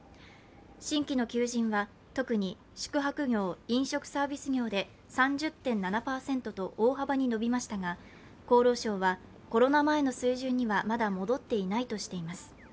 新規の求人は、特に宿泊業・飲食サービス業で３０．７％と大幅に伸びましたが、厚労省はコロナ前の水準にはまだ戻っていないとしていまいす。